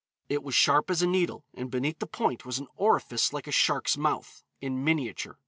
It was sharp as a needle, and beneath the point was an orifice like a shark's mouth, in miniature.